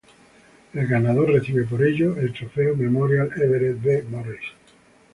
El ganador recibe por ello el Trofeo Memorial Everett B. Morris.